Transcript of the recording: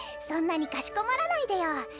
そんなにかしこまらないでよ。